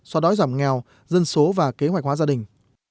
xóa đói giảm nghèo dân số và kế hoạch hóa gia đình